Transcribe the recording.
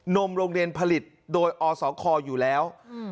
นมโรงเรียนผลิตโดยอสคอยู่แล้ว